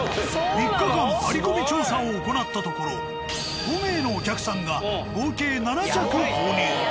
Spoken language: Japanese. ３日間張り込み調査を行ったところ５名のお客さんが合計７着購入。